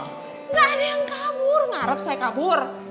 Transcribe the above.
tidak ada yang kabur ngarep saya kabur